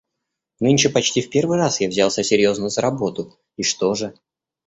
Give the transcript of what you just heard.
Нынче почти в первый раз я взялся серьезно за работу, и что же?